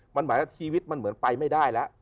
หมายถึงว่าชีวิตมันเหมือนไปไม่ได้ละ